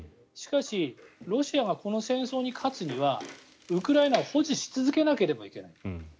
しかしロシアがこの戦争に勝つにはウクライナを保持し続けなければいけない。